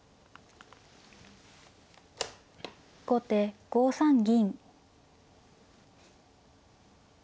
後手５三銀。